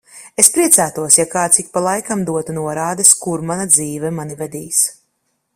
Es priecātos, ja kāds ik pa laikam dotu norādes, kur mana dzīve mani vedīs.